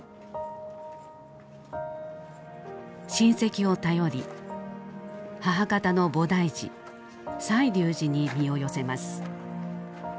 親戚を頼り母方の菩提寺西流寺に身を寄せます。